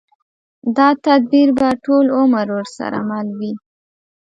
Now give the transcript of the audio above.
دا تدبير به ټول عمر ورسره مل وي.